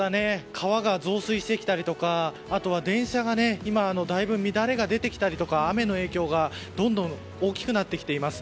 川が増水してきたりとかあとは電車が今だいぶ乱れが出てきたりとか雨の影響がどんどん大きくなっています。